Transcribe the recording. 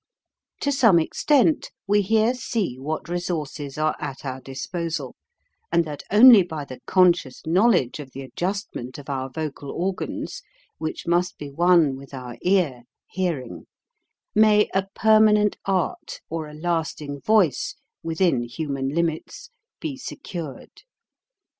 286 HOW TO SING To some extent, we here see what resources are at our disposal and that only by the con scious knowledge of the adjustment of our vocal organs which must be one with our ear (hearing) may a permanent art or a lasting voice (within human limits) be secured.